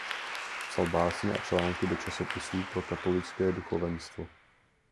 Psal básně a články do časopisů pro katolické duchovenstvo.